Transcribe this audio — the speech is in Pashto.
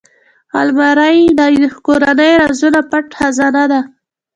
الماري د کورنۍ رازونو پټ خزانه ده